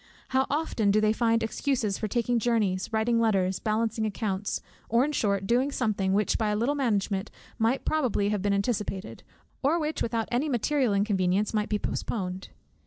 How often do they find excuses for taking journeys, writing letters, balancing accounts; or in short doing something, which by a little management might probably have been anticipated, or which, without any material inconvenience, might be postponed!